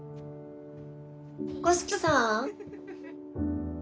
五色さん？